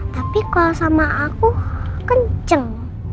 tapi kalau sama aku kenceng